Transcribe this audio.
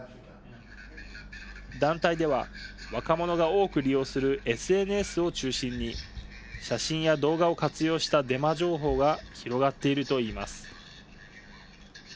団体では若者が多く利用するＳＮＳを中心に写真や動画を活用したデマ情報が広がっているといいます。